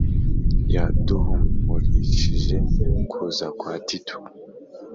Yaduhumurishije kuza kwa Tito .